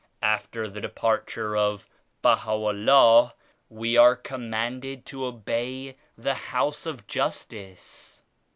After the Departure of Baha'u'llah we are com manded to obey the House of Justice.